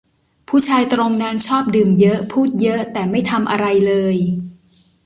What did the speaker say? ผู้ชายตรงนั้นชอบดื่มเยอะ พูดเยอะ แต่ไม่ทำอะไรเลย